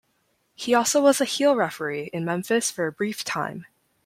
He also was a heel referee in Memphis for a brief time.